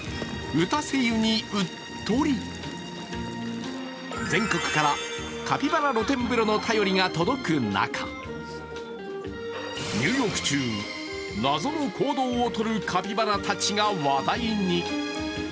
打たせ湯にうっとり全国からカピバラ露天風呂の便りが届く中、入浴中、謎の行動をとるカピバラたちが話題に。